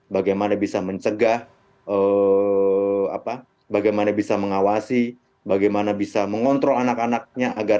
bagaimana bisa mencegah apa bagaimana bisa mengawasi bagaimana bisa mengontrol anak anaknya agar